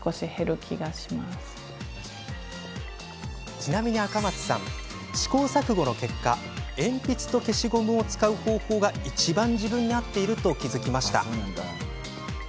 ちなみに赤松さん試行錯誤の結果鉛筆と消しゴムを使う方法がいちばん自分に合っていると気が付いたそうです。